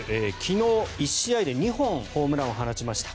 昨日、１試合で２本ホームランを放ちました。